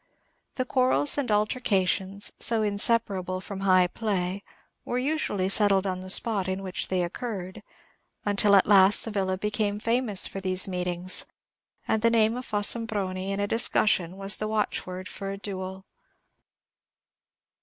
The quarrels and altercations, so inseparable from high play, were usually settled on the spot in which they occurred, until at last the villa became famous for these meetings, and the name of Fossombroni, in a discussion, was the watchword for a duel.